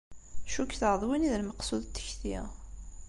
Cukkteɣ d win i d lmeqsud n tekti.